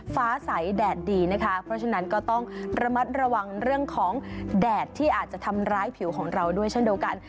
ฟ้าใสแดดดีนะคะเพราะฉะนั้นก็ต้องระมัดระวังเรื่องของแดดที่อาจจะทำร้ายผิวของเราด้วยเช่นเดียวกัน